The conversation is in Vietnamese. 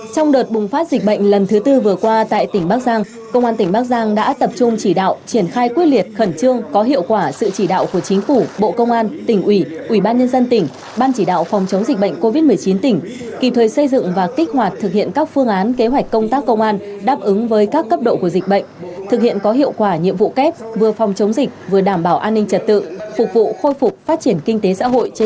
trong đợt bùng phát dịch bệnh lần thứ tư vừa qua tại tỉnh bắc giang công an tỉnh bắc giang đã tập trung chỉ đạo triển khai quyết liệt khẩn trương có hiệu quả sự chỉ đạo của chính phủ bộ công an tỉnh ủy ủy ban nhân dân tỉnh ban chỉ đạo phòng chống dịch bệnh covid một mươi chín tỉnh kỳ thuê xây dựng và kích hoạt thực hiện các phương án kế hoạch công tác công an đáp ứng với các cấp độ của dịch bệnh thực hiện có hiệu quả nhiệm vụ kép vừa phòng chống dịch vừa đảm bảo an ninh trật tự phục vụ khôi phục phát triển kinh tế x